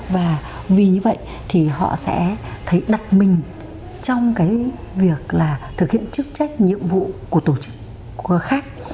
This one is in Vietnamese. và vì như vậy thì họ sẽ thấy đặt mình trong việc thực hiện chức trách nhiệm vụ của tổ chức khác